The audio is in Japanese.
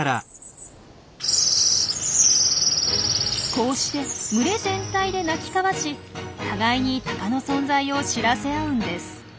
こうして群れ全体で鳴き交わし互いにタカの存在を知らせ合うんです。